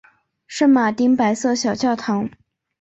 圣马丁白色小教堂。